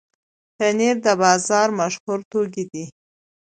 پنېر د بازار مشهوره توکي دي.